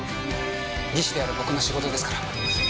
「技師である僕の仕事ですから」